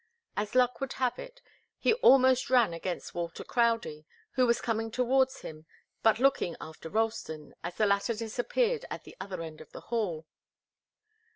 As luck would have it, he almost ran against Walter Crowdie, who was coming towards him, but looking after Ralston, as the latter disappeared at the other end of the hall.